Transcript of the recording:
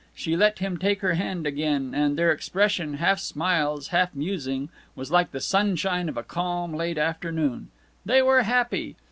She let him take her hand again, and their expression, half smiles, half musing, was like the sunshine of a calm late afternoon. They were happy.